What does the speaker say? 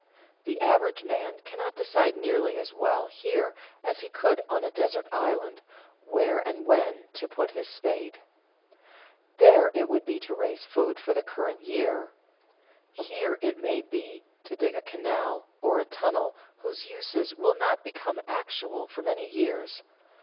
The average man cannot decide nearly as well here as he could on a desert island where and when to put in his spade. There it would be to raise food for the current year; here it may be to dig a canal or a tunnel whose uses will not become actual for many years.